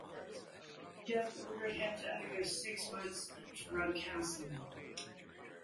A judge ordered him to undergo six months of drug counseling.